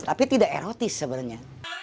tapi tidak erotis sebenarnya